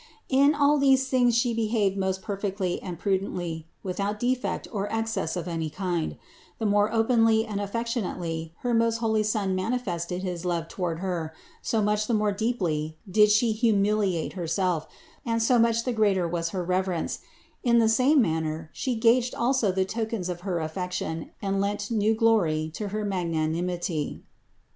In all these things She behaved most perfectly and prudently, without defect or excess of any kind : the more openly and affectionately her most holy Son mani fested his love toward Her, so much the more deeply did 460 CITY OF GOD She humiliate Herself, and so much the greater was her reverence; in the same manner She gaged also the tokens of her affection and lent new glory to her mag nanimity.